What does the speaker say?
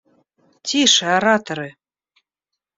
Тише, ораторы!